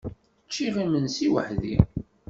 Ččiɣ imensi weḥd-i.